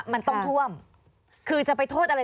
มันต้องท่วมคือจะไปโทษอะไร